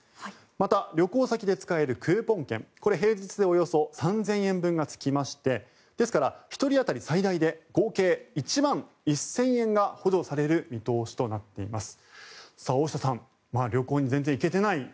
また、旅行先で使えるクーポン券これ、平日でおよそ３０００円分がつきましてですから、１人当たり最大で合計１万１０００円が補助される見通しとなっています。